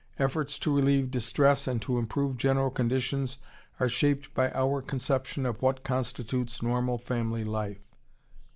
Efforts to relieve distress and to improve general conditions are shaped by our conception of what constitutes normal family life."